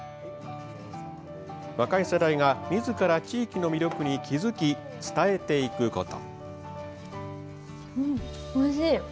若い世代が、みずから地域の魅力に気付き伝えていくこと。